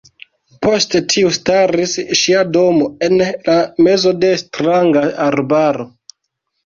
Post tiu staris ŝia domo en la mezo de stranga arbaro.